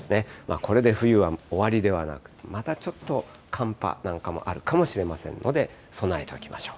これで冬は終わりではなく、またちょっと寒波なんかもあるかもしれませんので、備えておきましょう。